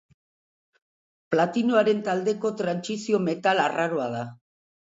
Platinoaren taldeko trantsizio-metal arraroa da.